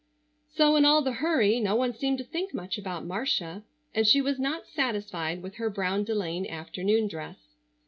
So in all the hurry no one seemed to think much about Marcia, and she was not satisfied with her brown delaine afternoon dress.